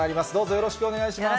よろしくお願いします。